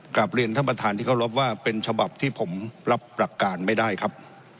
กลับเรียนท่านประธานที่เคารพว่าเป็นฉบับที่ผมรับหลักการไม่ได้ครับ